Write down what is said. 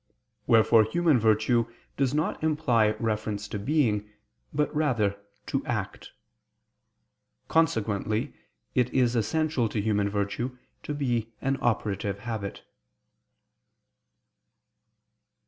Wherefore human virtue does not imply reference to being, but rather to act. Consequently it is essential to human virtue to be an operative habit.